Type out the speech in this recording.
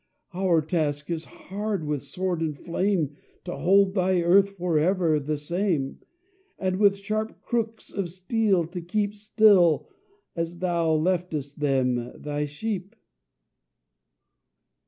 "Our task is hard, with sword and flame To hold thy earth forever the same, And with sharp crooks of steel to keep Still, as thou leftest them, thy sheep."